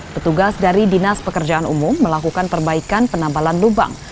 petugas dari dinas pekerjaan umum melakukan perbaikan penambalan lubang